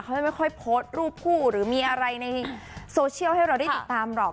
จะไม่ค่อยโพสต์รูปคู่หรือมีอะไรในโซเชียลให้เราได้ติดตามหรอก